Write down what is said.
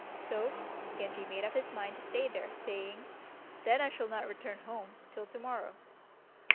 So Genji made up his mind to stay there, saying, "Then I shall not return home till to morrow."